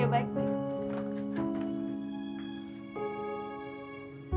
ya baik baik